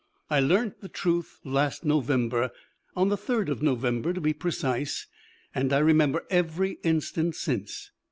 I learnt the truth last November on the third of November, to be precise and I remember every instant since.